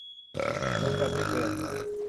รวมกันไม่เกิน